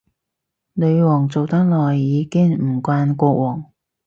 女皇做得耐，已經唔慣國王